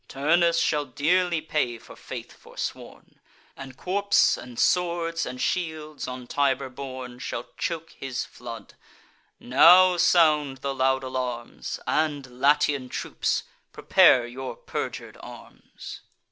Turnus shall dearly pay for faith forsworn; And corps, and swords, and shields, on Tiber borne, Shall choke his flood: now sound the loud alarms; And, Latian troops, prepare your perjur'd arms."